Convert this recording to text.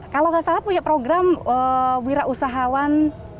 kalau nggak salah punya program wira usahawan